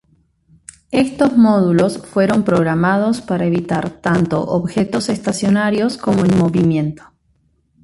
Estos módulos fueron programados para evitar tanto objetos estacionarios como en movimiento.